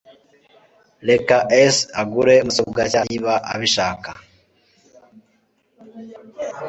Reka S agure mudasobwa nshya niba abishaka.